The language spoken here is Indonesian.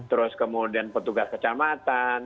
terus kemudian petugas kecamatan